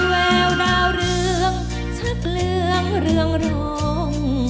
แววดาวเรืองชัดเรืองเรืองรอง